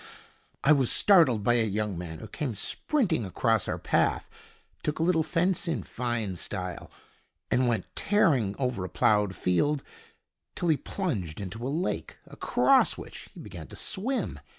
I was startled by a young man who came sprinting across our path, took a little fence in fine style, and went tearing over a ploughed field till he plunged into a lake, across which he began to swim.